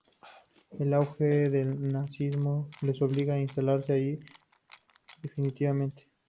El auge del nazismo les obligó a instalarse allí casi definitivamente.